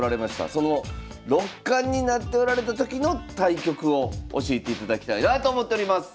その六冠になっておられた時の対局を教えていただきたいなと思っております。